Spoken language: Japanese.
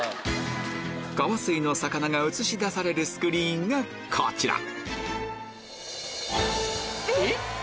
カワスイの魚が映し出されるスクリーンがこちらえっ？